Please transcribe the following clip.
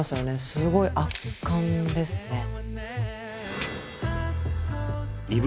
すごい圧巻ですねイヴ